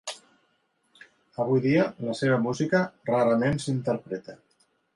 Avui dia la seva música rarament s'interpreta.